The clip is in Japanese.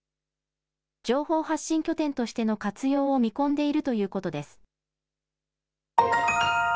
情報発信拠点としての活用を見込んでいるということです。